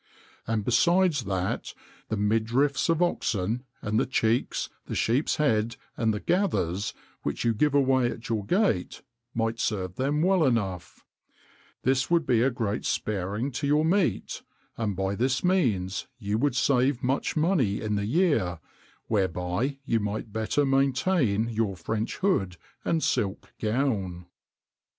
And besides that, the midriffs of oxen, and the cheeks, the sheep's heads, and the gathers, which you give away at your gate, might serve them well enough; this would be a great spareing to your meat, and by this means you would save much money in the year, whereby you might better maintain your French hood and silk gown."